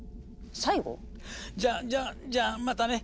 最後？じゃあじゃあじゃあまたね。